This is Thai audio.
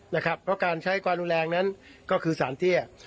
เพราะการใช้ความรุนแรงนั้นก็คือสารเตี้ย